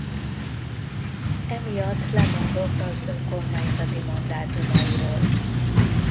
Emiatt lemondott az önkormányzati mandátumairól.